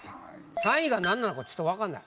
３位がなんなのかちょっとわかんない。